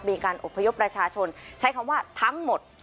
มีการอบพยพประชาชนใช้คำว่าทั้งหมด